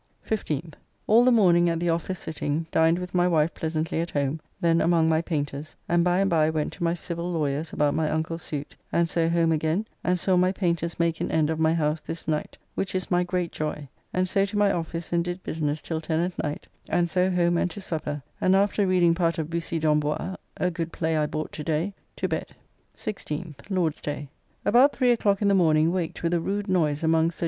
15th. All the morning at the office sitting, dined with my wife pleasantly at home, then among my painters, and by and by went to my Civil Lawyers about my uncle's suit, and so home again and saw my painters make an end of my house this night, which is my great joy, and so to my office and did business till ten at night, and so home and to supper, and after reading part of Bussy d'Ambois, a good play I bought to day, to bed. 16th (Lord's day). About 3 o'clock in the morning waked with a rude noise among Sir J.